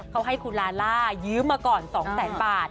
เขาให้คุณลายืมมาก่อน๒๐๐๐๐๐บาท